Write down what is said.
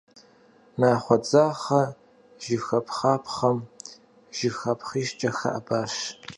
Нахъуэ дзахъэ жыхапхъапхъэм жыхапхъищкӏэ хэӏэбащ.